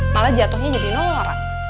malah jatuhnya jadi nora